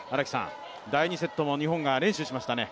第２セットも日本が連取しましたね。